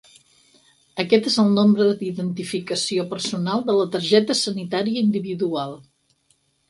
Aquest és el nombre d'identificació personal de la targeta sanitària individual.